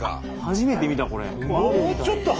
初めて見たこれ。